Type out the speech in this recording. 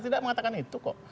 tidak mengatakan itu kok